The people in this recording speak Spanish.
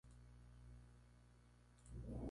Luego debe ser ratificado por el Monarca.